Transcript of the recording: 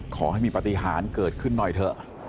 ขอให้มีปฏิหารเกิดขึ้นหน่อยเถอะ